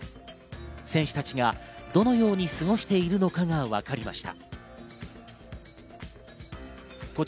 選手たちがどのように過ごしているのかが、わかりました。